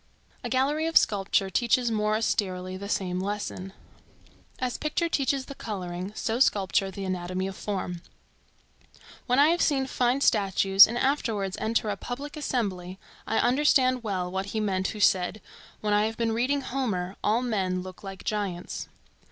A gallery of sculpture teaches more austerely the same lesson. As picture teaches the coloring, so sculpture the anatomy of form. When I have seen fine statues and afterwards enter a public assembly, I understand well what he meant who said, "When I have been reading Homer, all men look like giants."